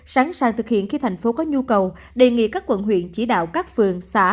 sẵn sàng thực hiện khi thành phố có nhu cầu đề nghị các quận huyện chỉ đạo các phường xã